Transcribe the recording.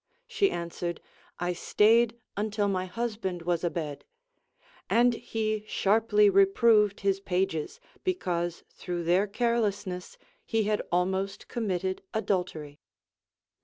She answered, I staid until my husband was abed ; and he sharply reproved his pages, because through their careless ness he had almost committed adultery.